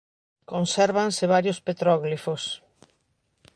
Consérvanse varios petróglifos.